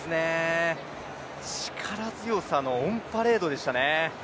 力強さのオンパレードでしたね。